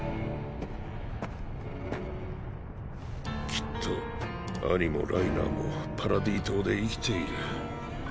きっとアニもライナーもパラディ島で生きている。